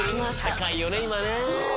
高いよね今ね。